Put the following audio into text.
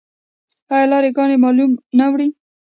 آیا لاری ګانې مالونه نه وړي؟